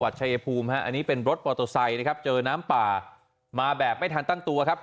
ชายภูมิฮะอันนี้เป็นรถมอเตอร์ไซค์นะครับเจอน้ำป่ามาแบบไม่ทันตั้งตัวครับ